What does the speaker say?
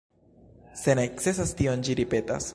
Se necesas tion ĝi ripetas.